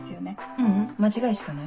ううん間違いしかない。